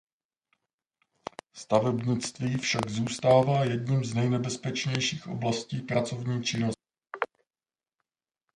Stavebnictví však zůstává jedním z nejnebezpečnějších oblastí pracovní činnosti.